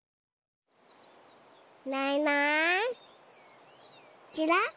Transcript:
いないいないちらっ。